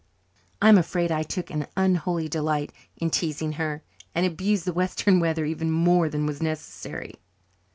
I am afraid I took an unholy delight in teasing her, and abused the western weather even more than was necessary.